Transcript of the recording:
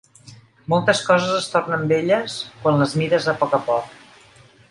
Moltes coses es tornen belles quan les mires a poc a poc.